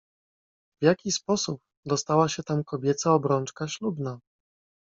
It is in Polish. "W jaki sposób dostała się tam kobieca obrączka ślubna?"